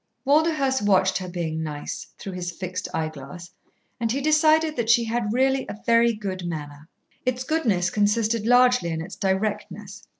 Walderhurst watched her being nice, through his fixed eyeglass, and he decided that she had really a very good manner. Its goodness consisted largely in its directness.